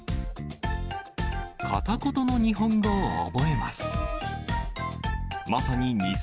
片言の日本語を覚えます。